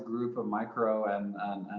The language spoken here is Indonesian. grup yang sangat besar